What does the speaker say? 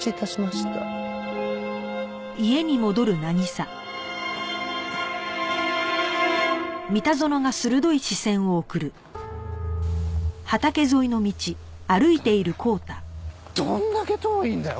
ったくどんだけ遠いんだよ